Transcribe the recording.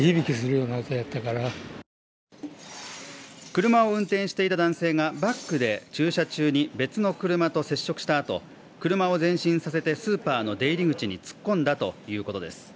車を運転していた男性がバックで駐車中に別の車と接触したあと車を前進させてスーパーの出入り口に突っ込んだということです。